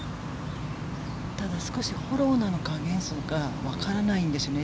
ただ、少しフォローなのかアゲンストなのかわからないんですよね。